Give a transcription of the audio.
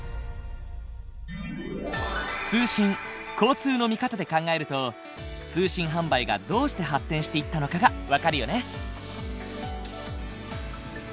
通信交通の見方で考えると通信販売がどうして発展していったのかが分かるよね。